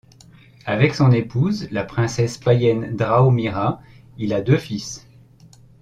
Avec son épouse, la princesse païenne Drahomira, il a deux fils,